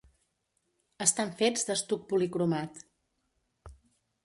Estan fets d'estuc policromat.